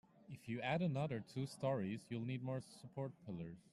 If you add another two storeys, you'll need more support pillars.